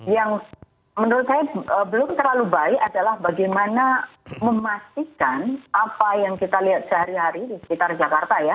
yang menurut saya belum terlalu baik adalah bagaimana memastikan apa yang kita lihat sehari hari di sekitar jakarta ya